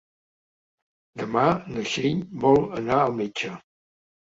Demà na Txell vol anar al metge.